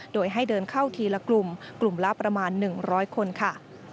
โดยให้เดินเข้าทีละกลุ่มกลุ่มละประมาณ๑๐๐คนค่ะ